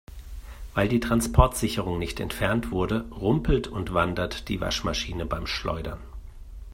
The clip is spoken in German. Weil die Transportsicherung nicht entfernt wurde, rumpelt und wandert die Waschmaschine beim Schleudern.